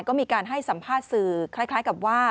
ก็มีการให้สัมภาษณ์สื่อคล้ายกับว่า